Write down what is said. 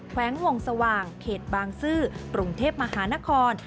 วงสว่างเขตบางซื่อกรุงเทพมหานคร